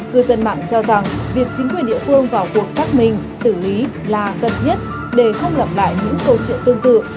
cư dân mạng cho rằng việc chính quyền địa phương vào cuộc xác minh xử lý là cần thiết để không lặp lại những câu chuyện tương tự